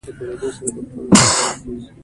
خو د خلکو ګڼه ګوڼه بیا هم ډېره زیاته وه.